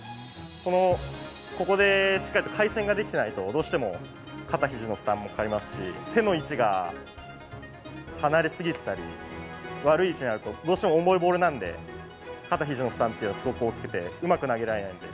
この、ここでしっかりと回旋ができてないと、どうしても肩、ひじの負担もかかりますし、手の位置が離れ過ぎてたり、悪い位置にあると、どうしても重いボールなんで、肩、ひじの負担というのがすごく大きくて、うまく投げられない。